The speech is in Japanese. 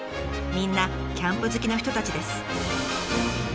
みんなキャンプ好きの人たちです。